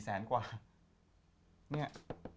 ๔แสนกว่า